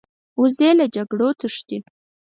وزې له جګړو تښتي